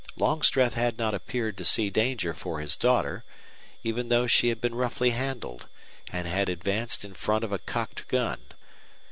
Longstreth had not appeared to see danger for his daughter, even though she had been roughly handled, and had advanced in front of a cocked gun.